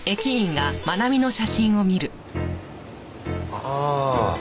ああ。